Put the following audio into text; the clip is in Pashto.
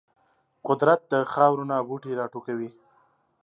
قدرت د خاورو نه بوټي راټوکوي.